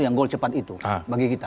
yang gol cepat itu bagi kita